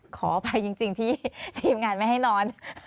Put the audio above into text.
ขออภัยจริงที่ทีมงานไม่ให้นอน